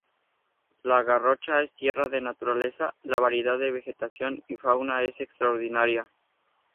La Garrocha es tierra de naturaleza, la variedad de vegetación y fauna es extraordinaria.